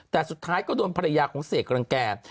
แต่สุดท้ายก็โดนภรรยาของเสกรังแก่